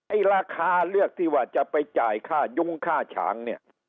ราคาเลือกที่ว่าจะไปจ่ายค่ายุ้งค่าฉางเนี่ย